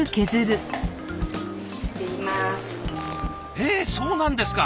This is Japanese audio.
へえそうなんですか。